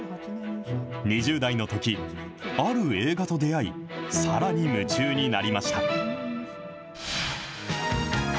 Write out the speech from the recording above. ２０代のとき、ある映画と出会い、さらに夢中になりました。